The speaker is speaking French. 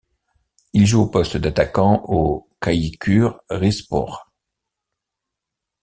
Il joue au poste d'attaquant au Çaykur Rizespor.